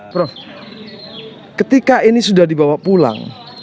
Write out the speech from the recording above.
prof ketika ini sudah dibawa pulang